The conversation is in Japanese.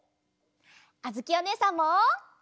あづきおねえさんも！